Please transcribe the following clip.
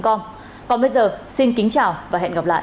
còn bây giờ xin kính chào và hẹn gặp lại